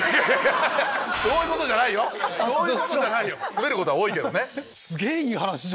スベることは多いけどね。